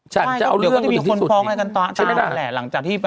ใช่เดี๋ยวมันจะมีคนฟ้องอะไรกันตามแหละ